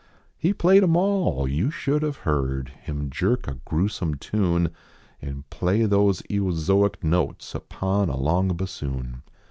He played em all ; you should have heard Him jerk a grewsome tune And play those eozoic notes Upon a long bassoon.